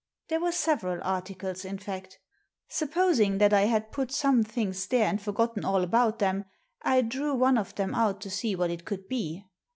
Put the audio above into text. There were several articles, in fact Supposing that I had put some things there and forgotten all about them, I drew one of them out to see what it could be.